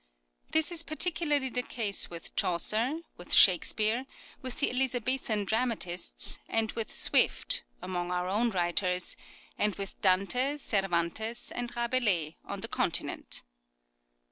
This is particularly the case with Chaucer, with Shakespeare, with the Elizabethan dramatists, and with Swift, among our own writers, and with Dante, Cervantes and Rabelais on the Continent.